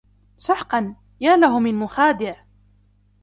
سحقا، يا له من مخادع